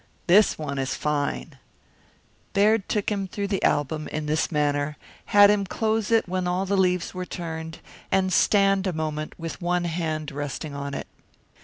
This one is fine " Baird took him through the album in this manner, had him close it when all the leaves were turned, and stand a moment with one hand resting on it.